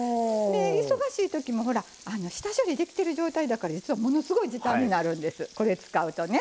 忙しい時もほら下処理できてる状態だから実はものすごい時短になるんですこれ使うとね。